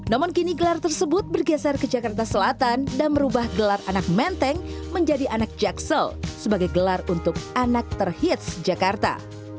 namun kini gelar tersebut bergeser ke jakarta selatan dan merubah gelar anak menteng menjadi anak jaksel sebagai gelar untuk anak terhits jakarta